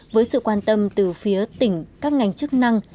với sự quan tâm từ phía tỉnh các ngành chức năng